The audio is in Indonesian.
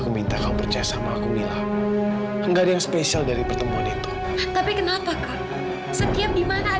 tapi kak taufan apa itu benar